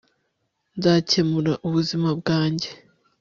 nzakemura ubuzima bwanjye